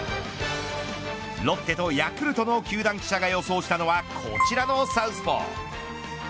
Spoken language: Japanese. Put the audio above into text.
ロッテとヤクルトの球団記者が予想したのはこちらのサウスポー。